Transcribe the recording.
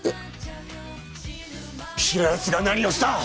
平安が何をした！？